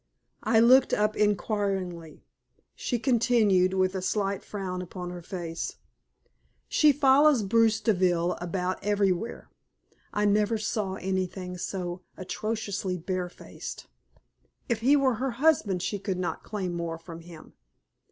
I looked up inquiringly. She continued, with a slight frown upon her face "She follows Bruce Deville about everywhere. I never saw anything so atrociously barefaced. If he were her husband she could not claim more from him.